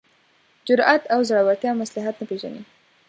جرات او زړورتیا مصلحت نه پېژني.